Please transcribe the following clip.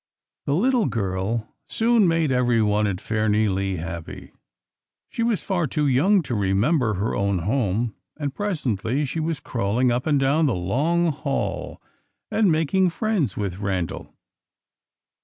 _ THE little girl soon made everyone at Fairnilee happy. She was far too young to remember her own home, and presently she was crawling up and down the long hall and making friends with Randal.